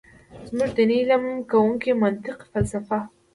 زمونږ ديني علم زده کوونکي منطق ، فلسفه ،